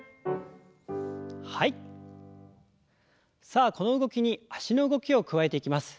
さあこの動きに脚の動きを加えていきます。